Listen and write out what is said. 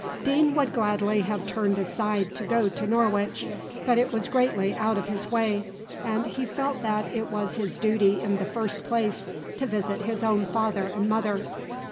Deane would gladly have turned aside to go to Norwich; but it was greatly out of his way, and he felt that it was his duty in the first place to visit his own father and mother.